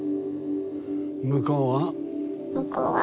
向こうは？